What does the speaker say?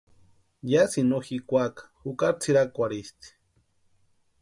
Yásïni no jikwaaka jukari tsʼirakwarhisti.